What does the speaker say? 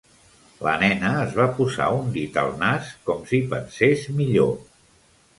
La nena es va posar un dit al nas, com si pensés millor.